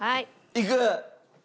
いく？